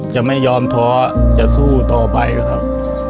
จะไม่ยอมท้อจะสู้ต่อไปครับ